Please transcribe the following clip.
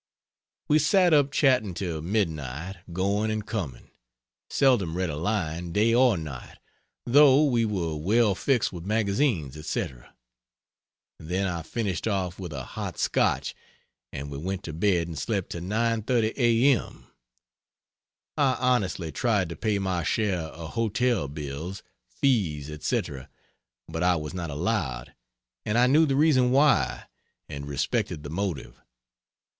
We sat up chatting till midnight, going and coming; seldom read a line, day or night, though we were well fixed with magazines, etc.; then I finished off with a hot Scotch and we went to bed and slept till 9.30 a.m. I honestly tried to pay my share of hotel bills, fees, etc., but I was not allowed and I knew the reason why, and respected the motive.